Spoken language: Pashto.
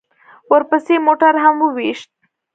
ورپسې موټر مې هم وويشت.